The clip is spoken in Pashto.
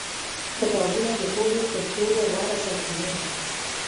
کتابونه د پوهې تر ټولو غوره سرچینه دي.